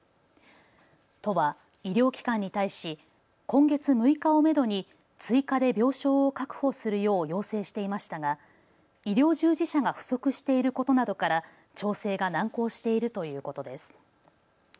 都は医療機関に対し今月６日をめどに追加で病床を確保するよう要請していましたが医療従事者が不足していることなどから調整が難航しているということです。